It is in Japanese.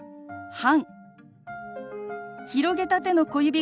「半」。